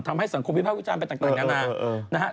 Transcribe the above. ทำให้สังคมวิทยาลัยวิทยาลัยเป็นต่างอย่างน้านะฮะ